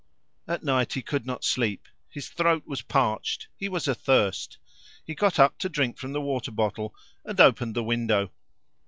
At night he could not sleep; his throat was parched; he was athirst. He got up to drink from the water bottle and opened the window.